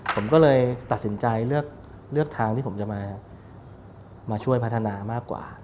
ผมก็เลยตัดสินใจเลือกทางที่ผมจะมาช่วยพัฒนามากกว่า